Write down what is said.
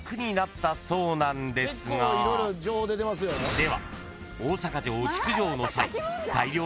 ［では］